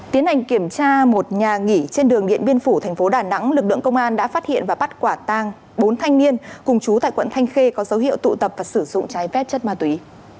tiến hành kiểm tra một nhà nghỉ trên đường điện biên phủ tp đà nẵng lực lượng công an đã phát hiện và bắt quả tang bốn thanh niên cùng chú tại quận thanh khê có dấu hiệu tụ tập và sử dụng trái phép chất ma túy